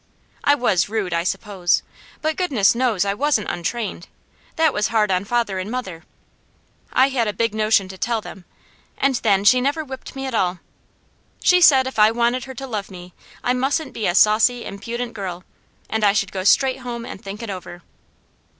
I was rude, I suppose, but goodness knows, I wasn't untrained; that was hard on father and mother; I had a big notion to tell them; and then, she never whipped me at all. She said if I wanted her to love me, I mustn't be a saucy, impudent girl, and I should go straight home and think it over.